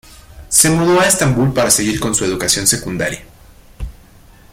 Se mudó a Estambul para seguir con su educación secundaria.